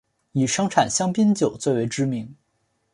以生产香槟酒最为知名。